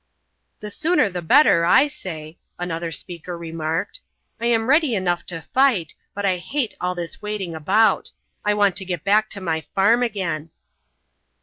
"The sooner the better, I say," another speaker remarked. "I am ready enough to fight, but I hate all this waiting about. I want to get back to my farm again."